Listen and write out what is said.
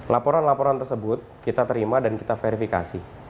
laporan laporan tersebut kita terima dan kita verifikasi